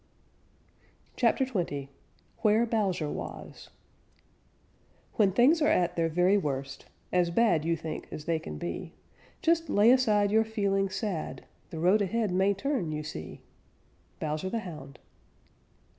CHAPTER XX WHERE BOWSER WAS When things are at their very worst, As bad, you think, as they can be, Just lay aside your feelings sad; The road ahead may turn, you see. _Bowser the Hound.